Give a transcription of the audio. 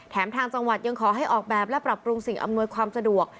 ทางจังหวัดยังขอให้ออกแบบและปรับปรุงสิ่งอำนวยความสะดวก